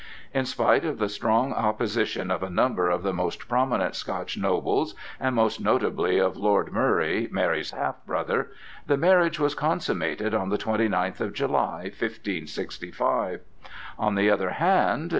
In spite of the strong opposition of a number of the most prominent Scotch nobles and most notably of Lord Murray, Mary's half brother, the marriage was consummated on the twenty ninth of July, 1565. On the other hand.